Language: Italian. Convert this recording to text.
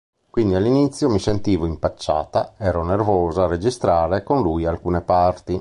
Quindi all'inizio mi sentivo impacciata, ero nervosa a registrare con lui alcune parti".